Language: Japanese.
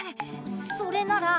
それなら。